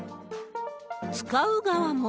使う側も。